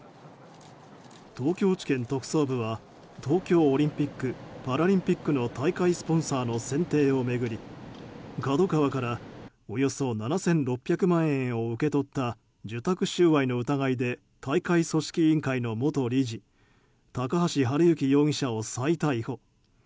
東京地検特捜部は東京オリンピック・パラリンピックの大会スポンサーの選定を巡りＫＡＤＯＫＡＷＡからおよそ７６００万円を受け取った受託収賄の疑いで大会組織委員会の元理事高橋治之容疑者を再逮捕。